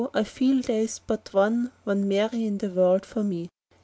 I feel there is but one, One Mary in the world for me.